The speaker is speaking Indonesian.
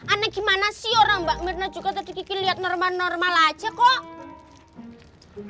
aneh gimana sih orang mbak mirna juga tadi gigi lihat normal normal aja kok